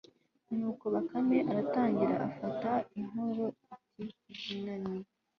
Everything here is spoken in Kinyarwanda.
nuko bakame iratangira ifata inkoro iti izi ni